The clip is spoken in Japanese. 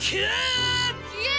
きえ！